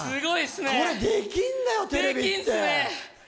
これ、できんだよ、テレビって。